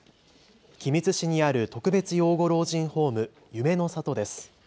君津市にある特別養護老人ホーム、夢の郷です。